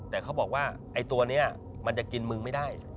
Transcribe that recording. แต่เขาบอกว่าไอ้ตัวนี้มันจะกินมึงไม่ได้